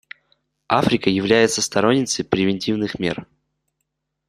Африка является сторонницей превентивных мер.